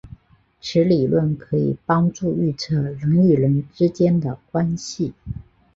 此理论可以帮助预测人与人之间的关系。